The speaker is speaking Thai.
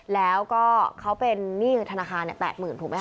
แล้วก็เขาเป็นนี่ธนาคารเนี่ย๘๐๐๐๐ถูกมั้ยฮะ